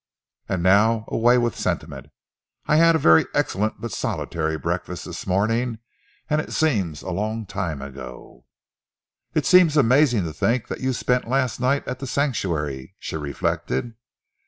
And now away with sentiment. I had a very excellent but solitary breakfast this morning, and it seems a long time ago." "It seems amazing to think that you spent last night at The Sanctuary," she reflected.